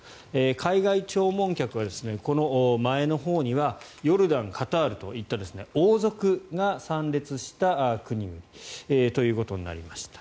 海外弔問客はこの前のほうにはヨルダン、カタールといった王族が参列した国々ということになりました。